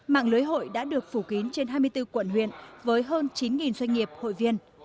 mạng lưới hội đã được phủ kín trên hai mươi bốn quận huyện với hơn chín doanh nghiệp hội viên